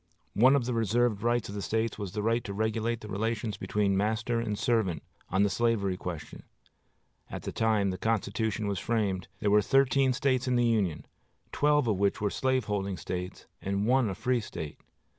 One of the reserved rights of the States was the right to regulate the relations between master and servant, on the slavery question. At the time the Constitution was framed there were thirteen States in the Union, twelve of which were slaveholding States and one a free State.